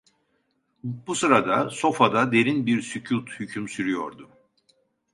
Bu sırada sofada derin bir sükût hüküm sürüyordu.